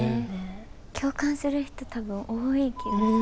共感する人多分多い気がする。